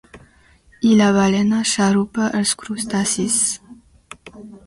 I la balena xarrupa els crustacis.